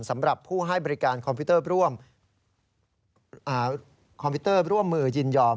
หากคอมพิวเตอร์ร่วมมือยินยอม